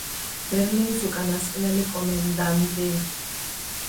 ბერლინის უკანასკნელი კომენდანტი.